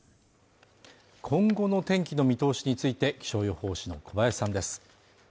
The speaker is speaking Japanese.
今後の天気の見通しについて、気象予報士の小林さんです。